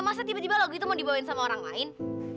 masa tiba tiba lagu itu mau dibawain sama orang lain